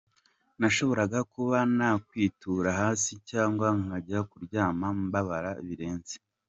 Nashoboraga kuba nakwitura hasi cyangwa nkajya kuryama mbabara birenze.